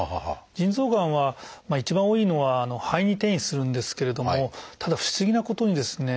腎臓がんは一番多いのは肺に転移するんですけれどもただ不思議なことにですね